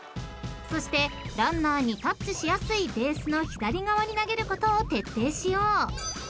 ［そしてランナーにタッチしやすいベースの左側に投げることを徹底しよう］